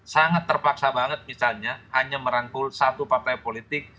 sangat terpaksa banget misalnya hanya merangkul satu partai politik